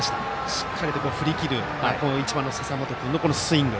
しっかりと振り切る１番の笹本君のスイング。